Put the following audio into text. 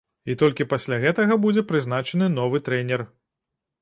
І толькі пасля гэтага будзе прызначаны новы трэнер.